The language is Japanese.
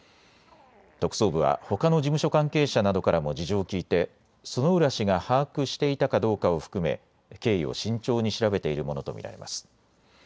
特捜部はほかの事務所関係者などからも事情を聴いて薗浦氏が把握していたかどうかを含め経緯を慎重に調べているものと見られます。